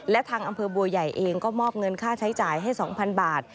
และทางอำเภอบัวใหญ่เองก็มอบเงินค่าใช้จ่ายให้๒๐๐๐บาท